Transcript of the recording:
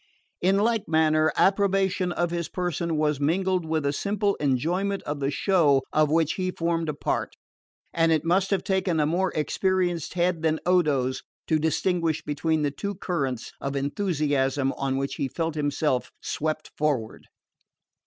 In like manner, approbation of his person was mingled with a simple enjoyment of the show of which he formed a part; and it must have taken a more experienced head than Odo's to distinguish between the two currents of enthusiasm on which he felt himself swept forward.